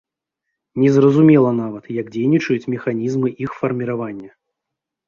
Незразумела нават, як дзейнічаюць механізмы іх фарміравання.